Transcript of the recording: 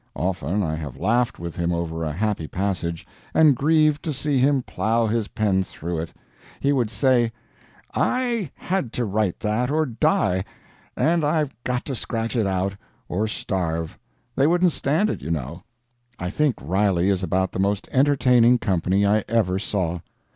Often I have laughed with him over a happy passage, and grieved to see him plow his pen through it. He would say, "I had to write that or die; and I've got to scratch it out or starve. They wouldn't stand it, you know." I think Riley is about the most entertaining company I ever saw.